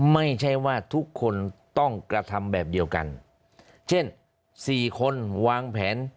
ไม่ใช่ว่าทุกคนต้องกระทำแบบเดียวกันเช่นสี่คนวางแผน